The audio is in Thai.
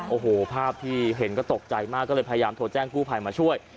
โอ้โหภาพที่เห็นก็ตกใจมากก็เลยพยายามโทรแจ้งกู้ภัยมาช่วย